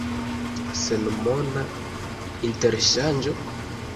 Senmona interŝanĝo?